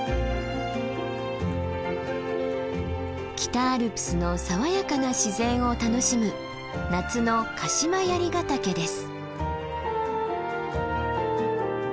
北アルプスの爽やかな自然を楽しむ夏の鹿島槍ヶ岳です。